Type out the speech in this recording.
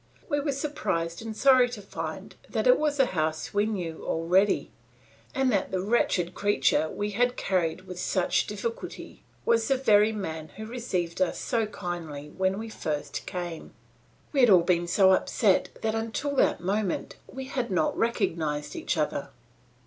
We were surprised and sorry to find that it was a house we knew already and that the wretched creature we had carried with such difficulty was the very man who received us so kindly when first we came. We had all been so upset that until that moment we had not recognised each other.